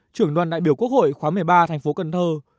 trưởng đoàn đại biểu quốc hội khóa một mươi ba thành phố cần thơ